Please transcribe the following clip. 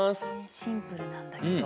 シンプルなんだけど。